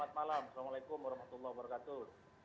assalamualaikum warahmatullahi wabarakatuh